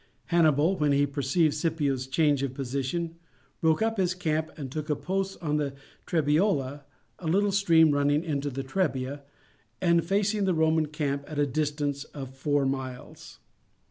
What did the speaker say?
Hannibal, when he perceived Scipio's change of position, broke up his camp and took post on the Trebiola, a little stream running into the Trebia and facing the Roman camp at a distance of four miles.